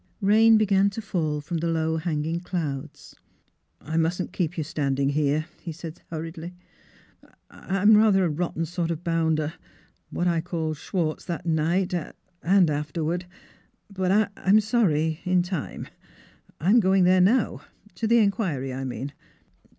Rain began to fall from the low hanging clouds. " I mustn't keep you standing here," he said hurriedly. " I I'm rather a rotten sort of bounder what I called Schwartz that night and * and afterward. But I'm sorry in time. I'm' NEIGHBORS 337 going there now to the inquiry, I mean.